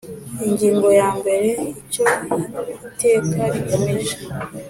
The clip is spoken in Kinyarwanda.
Ingingo ya mbere Icyo iteka rigamije